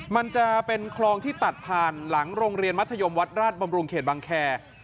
มันจะเป็นคลองที่ตัดผ่านหลังโรงเรียนมัธยมวัดราชบำรุงเขตบังแคร์